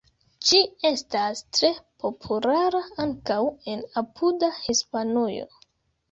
Ĝi estas tre populara ankaŭ en apuda Hispanujo.